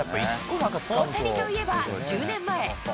大谷といえば１０年前。